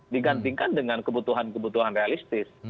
digantikan dengan kebutuhan kebutuhan realistis